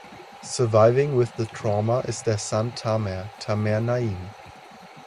Surviving with the trauma is their son Tamer (Tamer Naim).